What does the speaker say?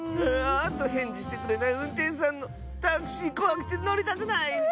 あとへんじしてくれないうんてんしゅさんのタクシーこわくてのりたくないッス！